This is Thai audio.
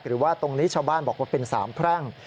หรือว่าตรงนี้ชาวบ้านบอกว่าเป็นสามแพร่ง